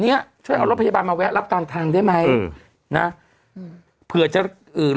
เนี้ยช่วยเอารถพยาบาลมาแวะรับกลางทางได้ไหมเออนะอืมเผื่อจะเอ่อ